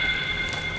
rekamannya ada disini